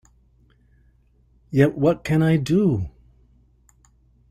Yet what can I do?